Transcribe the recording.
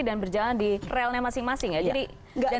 dan berjalan di relnya masing masing jadi itu tidak bisa dikaitkan